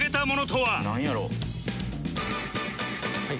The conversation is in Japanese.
はい。